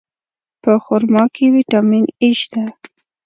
په خرما کې ویټامین E شته.